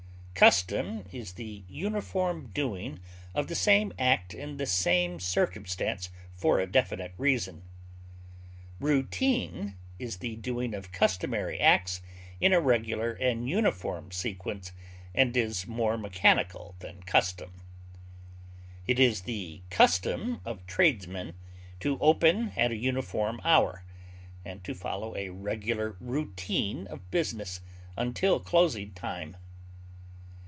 Custom is the uniform doing of the same act in the same circumstance for a definite reason; routine is the doing of customary acts in a regular and uniform sequence and is more mechanical than custom. It is the custom of tradesmen to open at a uniform hour, and to follow a regular routine of business until closing time.